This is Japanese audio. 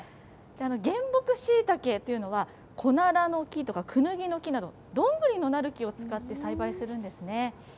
原木しいたけというのは、コナラの木とか、クヌギの木などどんぐりのなる木を使って栽培するんですね。